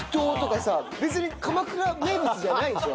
別に鎌倉名物じゃないでしょ？